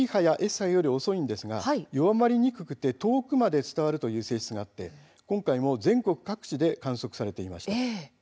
波より遅いんですが弱まりにくくて遠くまで伝わるという性質があって今回、全国の各地で観測されていました。